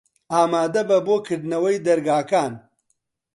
ئامادە بە بۆ کردنەوەی دەرگاکان.